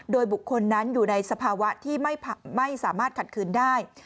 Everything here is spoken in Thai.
โดยบุคคลนั้นอยู่ในสภาวะที่ไม่สามารถขัดคืนได้